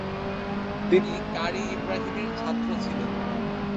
তিনি কারী ইব্রাহিমের ছাত্র ছিলেন।